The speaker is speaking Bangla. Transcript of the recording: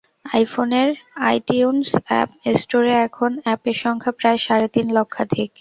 আইফোনের আইটিউনস অ্যাপস স্টোরে এখন অ্যাপের সংখ্যা প্রায় সাড়ে তিন লক্ষাধিক।